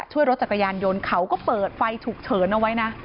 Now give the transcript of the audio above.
ช่วยรถจักรยานยนต์เขาก็เปิดไฟฉุกเฉินเอาไว้นะ